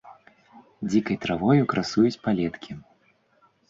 Дзікай травою красуюць палеткі.